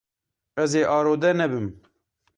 Ez ê arode nebim.